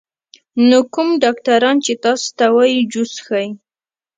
نو کوم ډاکټران چې تاسو ته وائي جوس څښئ